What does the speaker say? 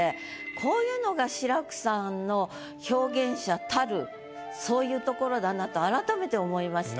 こういうのが志らくさんの表現者たるそういうところだなと改めて思いました。